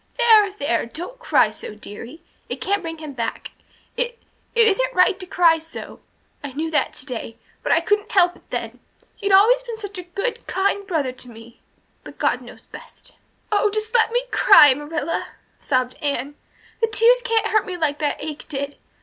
"There there don't cry so, dearie. It can't bring him back. It it isn't right to cry so. I knew that today, but I couldn't help it then. He'd always been such a good, kind brother to me but God knows best." "Oh, just let me cry, Marilla," sobbed Anne. "The tears don't hurt me like that ache did.